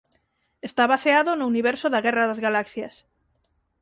Está baseado no universo da "guerra das galaxias".